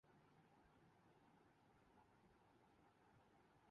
پی C B دفاتر کو property tax کی ادائیگی کی یقین دہانی کرانے پر ڈی سیل کر دیا گیا